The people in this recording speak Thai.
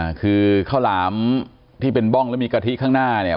อ่าคือข้าวหลามที่เป็นบ้องแล้วมีกะทิข้างหน้าเนี่ย